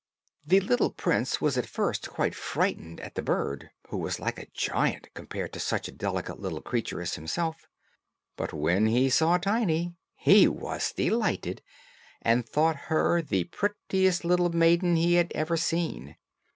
The little prince was at first quite frightened at the bird, who was like a giant, compared to such a delicate little creature as himself; but when he saw Tiny, he was delighted, and thought her the prettiest little maiden he had ever seen.